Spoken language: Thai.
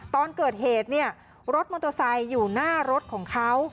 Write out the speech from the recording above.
ตอนเกิดเหตุเนี่ยรถมอเตอร์ไซค์อยู่หน้ารถของเขา